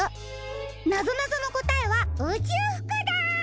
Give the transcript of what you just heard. なぞなぞのこたえはうちゅうふくだ！